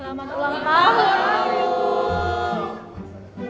selamat ulang tahun bu